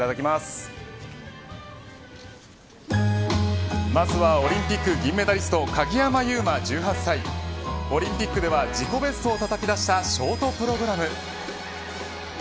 まずはオリンピック銀メダリスト鍵山優真１８歳オリンピックでは自己ベストをたたき出したショートプログラム。